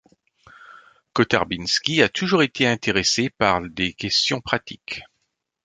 Kotarbiński a toujours été intéressé par des questions pratiques.